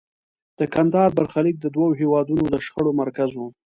د کندهار برخلیک د دوو هېوادونو د شخړو مرکز و.